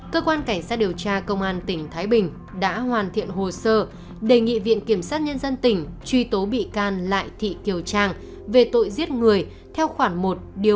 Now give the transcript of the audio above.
cơ quan cảnh sát điều tra công an tỉnh thái bình đã hoàn thiện hồ sơ đề nghị viện kiểm sát nhân dân tỉnh truy tố bị can lại thị kiều trang về tội giết người theo khoảng một một trăm hai mươi ba bộ luật hình sự